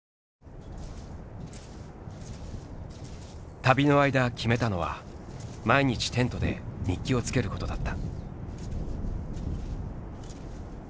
旅の間決めたのは毎日テントで日記をつけることだった。